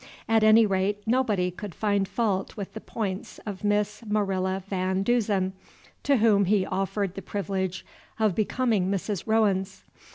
At any rate, nobody could find fault with the points of Miss Marilla Van Deusen, to whom he offered the privilege of becoming Mrs. Rowens.